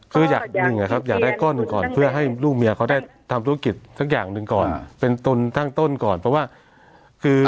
คืออย่างหนึ่งนะครับอยากได้ก้อนหนึ่งก่อนเพื่อให้ลูกเมียเขาได้ทำธุรกิจสักอย่างหนึ่งก่อนเป็นตนตั้งต้นก่อนเพราะว่าคือ